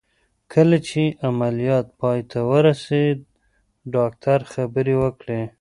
کله چې عمليات پای ته ورسېد ډاکتر خبرې وکړې.